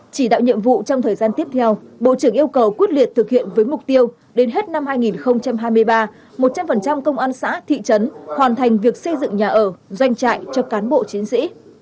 chỉ đạo nhiệm vụ trong thời gian tiếp theo bộ trưởng yêu cầu quyết liệt thực hiện với mục tiêu đến hết năm hai nghìn hai mươi ba một trăm linh công an xã thị trấn hoàn thành việc xây dựng nhà ở doanh trại cho cán bộ chiến sĩ